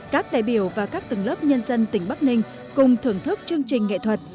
các đại biểu và các tầng lớp nhân dân tỉnh bắc ninh cùng thưởng thức chương trình nghệ thuật